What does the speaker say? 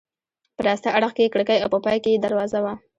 په راسته اړخ کې یې کړکۍ او په پای کې یې دروازه وه.